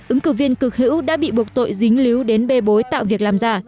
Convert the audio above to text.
ứng cử viên cực hữu đã bị buộc tội dính líu đến bê bối tạo việc làm giả